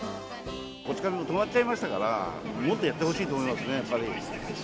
こち亀、止まっちゃいましたから、もっとやってほしいと思いますね、やっぱり。